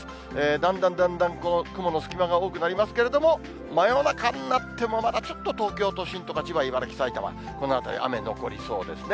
だんだんだんだんこう、雲の隙間が多くなりますけれども、真夜中になっても、まだちょっと東京都心とか千葉、茨城、埼玉、この辺り、雨残りそうですね。